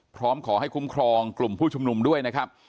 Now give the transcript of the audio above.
พร้อมขอให้คุ้มครองกลุ่มผู้ชุมนุมด้วยนะครับ